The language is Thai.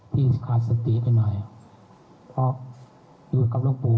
ขาดสติไปหน่อยเพราะอยู่กับหลวงปู่